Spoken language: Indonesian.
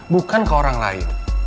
bukan ke orang lain